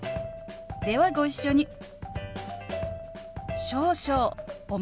ではご一緒に。